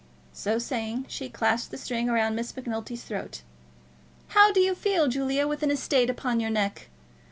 So saying, she clasped the string round Miss Macnulty's throat. "How do you feel, Julia, with an estate upon your neck?